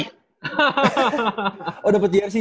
ntar dapet apaan nih